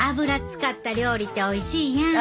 使った料理っておいしいやん。